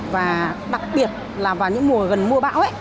và đặc biệt là vào những mùa gần mùa bão